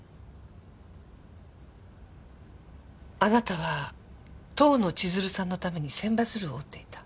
あなたは遠野千鶴さんのために千羽鶴を折っていた。